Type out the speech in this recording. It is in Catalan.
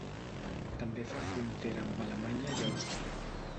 També fa frontera amb Alemanya i Àustria.